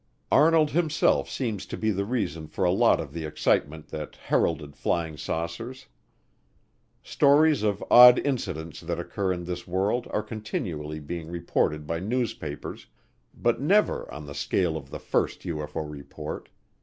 Arnold himself seems to be the reason for a lot of the excitement that heralded flying saucers. Stories of odd incidents that occur in this world are continually being reported by newspapers, but never on the scale of the first UFO report.